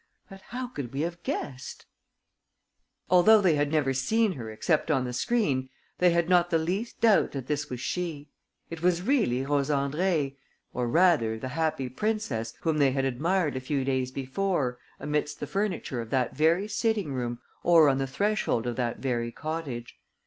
But how could we have guessed ...?" Although they had never seen her except on the screen, they had not the least doubt that this was she. It was really Rose Andrée, or rather, the Happy Princess, whom they had admired a few days before, amidst the furniture of that very sitting room or on the threshold of that very cottage.